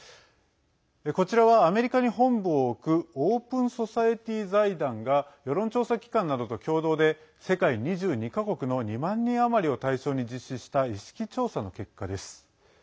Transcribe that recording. こちらはアメリカに本部を置くオープンソサエティ財団が世論調査機関などと共同で世界２２か国の２万人余りを対象に実施した意識調査の結果です。